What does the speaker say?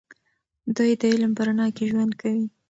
دوی د علم په رڼا کې ژوند کوي.